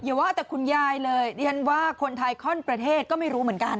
อย่าว่าแต่คุณยายเลยดิฉันว่าคนไทยข้อนประเทศก็ไม่รู้เหมือนกัน